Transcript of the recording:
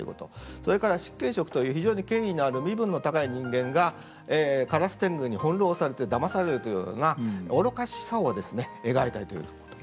それから執権職という非常に権威のある身分の高い人間が烏天狗に翻弄されてだまされるというような愚かしさをですね描いたりということ。